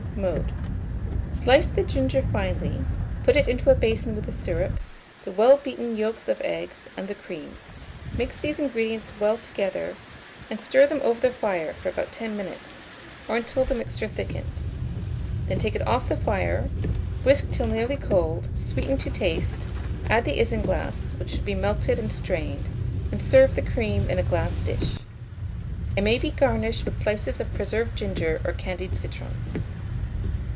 Mode. Slice the ginger finely; put it into a basin with the syrup, the well beaten yolks of eggs, and the cream; mix these ingredients well together, and stir them over the fire for about 10 minutes, or until the mixture thickens; then take it off the fire, whisk till nearly cold, sweeten to taste, add the isinglass, which should be melted and strained, and serve the cream in a glass dish. It may be garnished with slices of preserved ginger or candied citron.